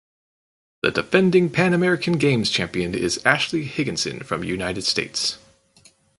The defending Pan American Games champion is Ashley Higginson from United States.